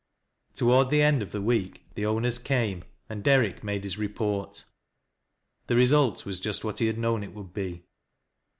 Toward the end of the week, the owners came, and Derrick made his report. The result was just what he had known it would be.